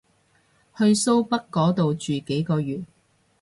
去蘇北嗰度住幾個月